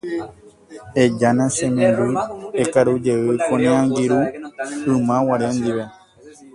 Ejána che memby ekarujey ko ne angirũ ymaguare ndive.